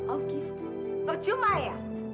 oh gitu percuma ya